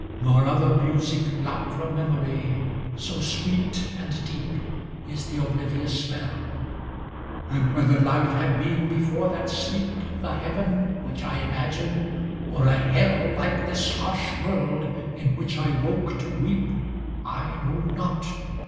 Nor other music blot from memory, ŌĆö 330 ' So sweet and deep is the oblivious spell ; And whether life had been before that sleep The heaven which I imagine, or a hell ' Like this harsh world in which I wake to weep, I know not.